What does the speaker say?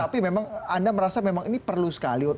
tapi memang anda merasa memang ini perlu sekali